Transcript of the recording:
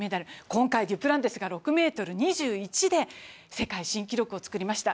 今回はデュプランティスが６ｍ２１で世界新記録をつくりました。